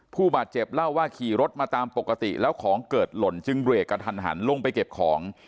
ผู้บาดเจ็บเล่าว่าขี่รถมาตามปกติแล้วของเกิดหล่นจึงเบรกกระทันหันลงไปเก็บของ